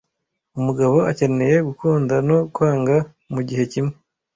Umugabo akeneye gukunda no kwanga mugihe kimwe,